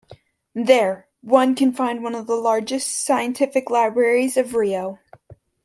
There, one can find one of the largest scientific libraries of Rio.